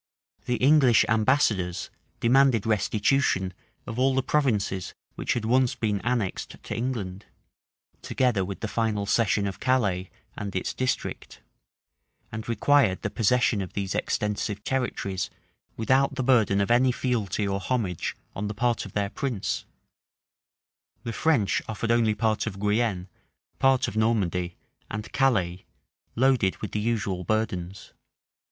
The English ambassadors demanded restitution of all the provinces which had once been annexed to England, together with the final cession of Calais and its district; and required the possession of these extensive territories without the burden of any fealty or homage on the part of their prince: the French offered only part of Guienne, part of Normandy, and Calais, loaded with the usual burdens.